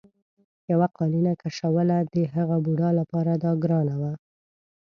یوه قالینه کشوله د هغه بوډا لپاره دا ګرانه وه.